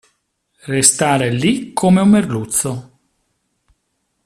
Restare lì come un merluzzo.